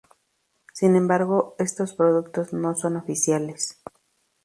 Sin embargo, estos productos no son oficiales.